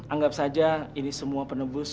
anggap saja ini semua penebus